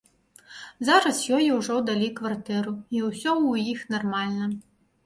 Зараз ёй ужо далі кватэру і ўсё ў іх нармальна.